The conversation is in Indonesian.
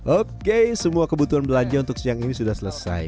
oke semua kebutuhan belanja untuk siang ini sudah selesai